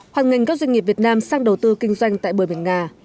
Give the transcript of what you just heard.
hoàn ngành các doanh nghiệp việt nam sang đầu tư kinh doanh tại bờ biển nga